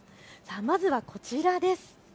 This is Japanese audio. まずはこちらです。